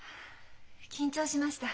緊張しました。